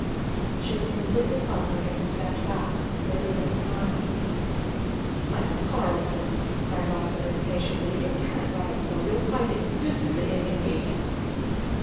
She was completely conquered, and stepped back with even a smile. "But, Carleton!" cried Rossitur impatiently, "you can't ride so! you'll find it deucedly inconvenient."